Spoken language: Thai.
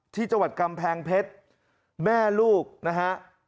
ที่จังหวัดกำแพงเพชรแม่ลูกนะฮะ